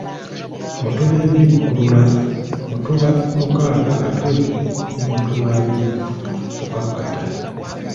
Mutuba ebiri Bukulula, mutuba mukaaga Katwe ne mutuba abiri Bukakata.